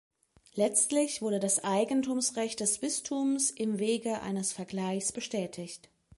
Letztlich wurde das Eigentumsrecht des Bistums im Wege eines Vergleichs bestätigt.